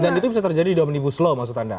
dan itu bisa terjadi di omnibus law maksud anda